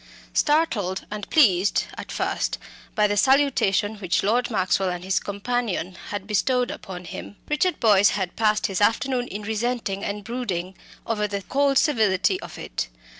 Startled and pleased at first by the salutation which Lord Maxwell and his companion had bestowed upon him, Richard Boyce had passed his afternoon in resenting and brooding over the cold civility of it.